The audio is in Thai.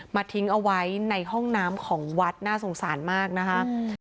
ทิ้งเอาไว้ในห้องน้ำของวัดน่าสงสารมากนะคะ